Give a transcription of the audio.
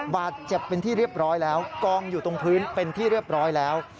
บาดเจ็บเป็นที่เรียบร้อยแล้วกองอยู่ตรงพื้นเป็นที่เรียบร้อยแล้ว